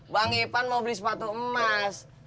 bang ipan mau beli sepatu emas